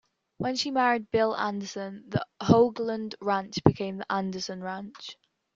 When she married Bill Anderson, the Hoaglund Ranch became the Anderson Ranch.